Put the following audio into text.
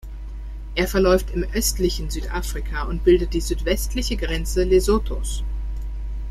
Er verläuft im östlichen Südafrika und bildet die südwestliche Grenze Lesothos.